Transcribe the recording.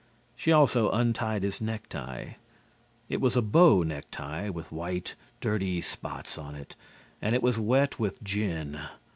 She also untied his neck tie. It was a bow neck tie, with white, dirty spots on it and it was wet with gin.